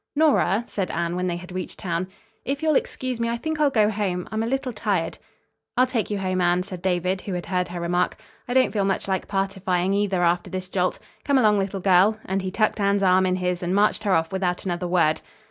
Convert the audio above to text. "Nora," said Anne when they had reached town, "if you'll excuse me I think I'll go home. I'm a little tired." "I'll take you home, Anne," said David, who had heard her remark. "I don't feel much like partifying either after this jolt. Come along, little girl," and he tucked Anne's arm in his and marched her off without another word.